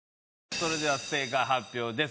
それでは正解発表です